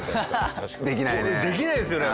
できないですよね。